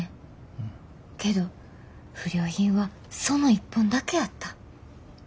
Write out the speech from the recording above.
けど不良品はその一本だけやった。